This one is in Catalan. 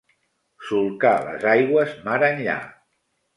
Solcar les aigües mar enllà.